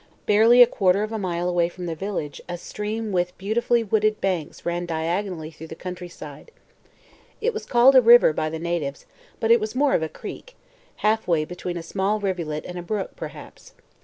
Barely a quarter of a mile away from the village a stream with beautifully wooded banks ran diagonally through the countryside. It was called a "river" by the natives, but it was more of a creek; halfway between a small rivulet and a brook, perhaps.